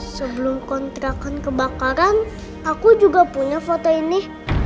sebelum kontrakan kebakaran aku juga punya foto ini